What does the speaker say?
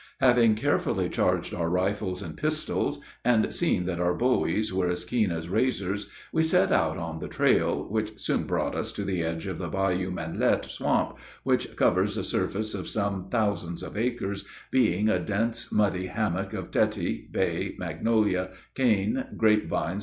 Having carefully charged our rifles and pistols, and seen that our bowies were as keen as razors, we set out on the trail, which soon brought us to the edge of the Bayou Manlatte swamp which covers a surface of some thousands of acres, being a dense muddy hammock of teti, bay, magnolia, cane, grape vines, &c.